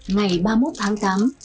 ngày ba mươi một tháng tám